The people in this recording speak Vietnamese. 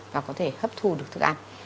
và có thể hấp thu được thức ăn